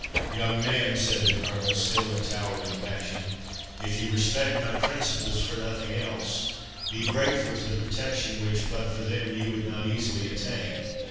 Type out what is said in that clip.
"Young man," said the Colonel, still in towering passion, "if you respect my principles for nothing else, be grateful to the protection which, but for them, you would not easily attain."